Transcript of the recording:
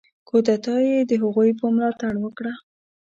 کودتا یې د هغوی په ملاتړ وکړه.